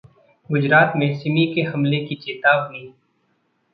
गुजरात में सिमी के हमले की चेतावनी